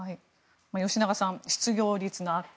吉永さん、失業率の悪化